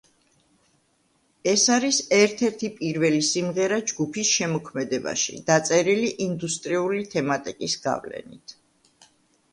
ეს არის ერთ-ერთი პირველი სიმღერა ჯგუფის შემოქმედებაში, დაწერილი ინდუსტრიული თემატიკის გავლენით.